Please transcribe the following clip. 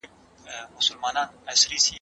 دولت باید د خصوصي سکتور ږغ واوري.